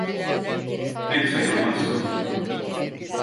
Pek sayıImaz.